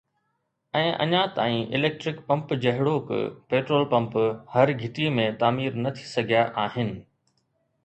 ۽ اڃا تائين electric pump جهڙوڪ پيٽرول پمپ هر گهٽي ۾ تعمير نه ٿي سگهيا آهن